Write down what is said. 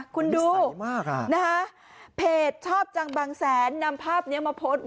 คุณดูนะฮะเพจชอบจังบางแสนนำภาพนี้มาโพสต์